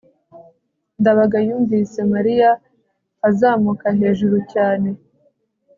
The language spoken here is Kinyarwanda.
ndabaga yumvise mariya azamuka hejuru cyane